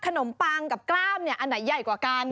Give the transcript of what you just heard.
ปังกับกล้ามเนี่ยอันไหนใหญ่กว่ากัน